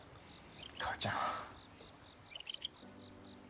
母ちゃん。